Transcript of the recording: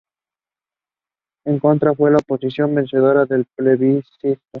En contra fue la opción vencedora del plebiscito.